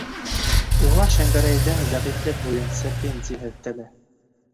Уға Шәңгәрәйҙең зәғифлек буйынса пенсияһы өҫтәлә.